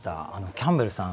キャンベルさん